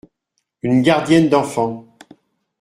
Une gardienne d’enfants.